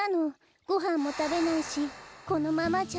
ごはんもたべないしこのままじゃ。